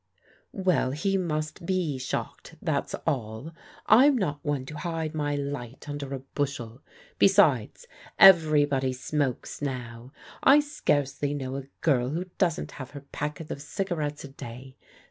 " Well, he must be shocked, that's all. I'm not one to hide my light under a bushel. Besides, everybody smokes now. I scarcely know a girl who doesn't have her packet of cigarettes a day.